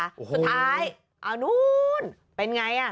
สุดท้ายเอานู้นเป็นไง